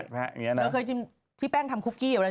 เราเคยชิมที่แป้งทำคุกกี้